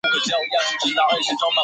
企业资深辅导人制度